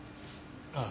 ああ。